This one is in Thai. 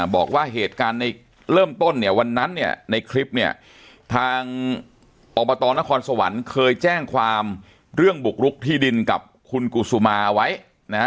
บอกว่าเหตุการณ์ในเริ่มต้นเนี่ยวันนั้นเนี่ยในคลิปเนี่ยทางอบตนครสวรรค์เคยแจ้งความเรื่องบุกรุกที่ดินกับคุณกุศุมาไว้นะฮะ